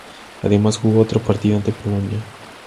Además jugó otro partido ante Polonia.